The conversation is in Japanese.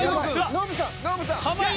ノブさん。